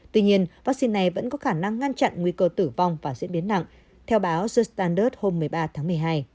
tuy nhiên vaccine này vẫn có khả năng ngăn chặn nguy cơ tử vong và diễn biến nặng theo báo zernders hôm một mươi ba tháng một mươi hai